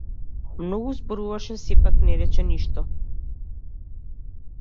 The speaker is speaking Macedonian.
Многу зборуваше а сепак не рече ништо.